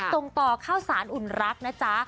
ส่งต่อข้าวสารอุ่นรักนะจ๊ะ